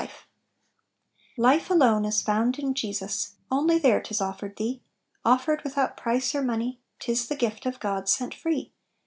"Life alone is found in Jesus, Only there 'tis offered thee, Offered without price or money, "lis the gift of God sent free.